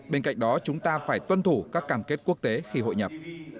bên cạnh đó chúng ta phải tuân thủ các cam kết quốc tế khi hội nhập